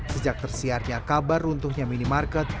sejak tersiarnya kabar runtuhnya minimarket